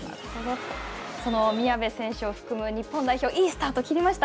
その宮部選手を含む日本代表、いいスタートを切りました。